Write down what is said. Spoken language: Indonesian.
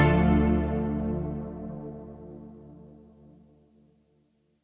eterna saing dependi kekhimatannya ratu ratu